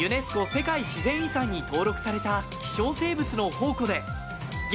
世界自然遺産に登録された希少生物の宝庫で激